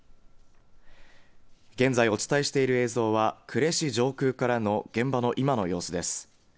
現在、お伝えしている映像は呉市上空からの現場の今の様子です。